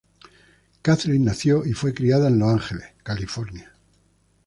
Katherine nació y fue criada en Los Ángeles, California.